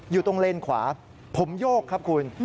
อยู่ตรงเลนขวาผมโยกครับคุณ